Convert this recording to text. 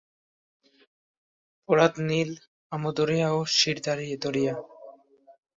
ফোরাত, নীল, Amu Darya ও শির দরিয়া।